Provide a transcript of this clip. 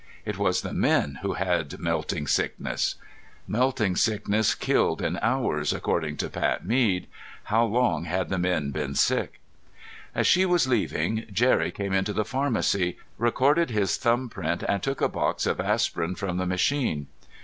It was the men who had melting sickness! Melting sickness killed in hours, according to Pat Mead. How long had the men been sick? As she was leaving, Jerry came into the pharmacy, recorded his thumbprint and took a box of aspirin from the machine.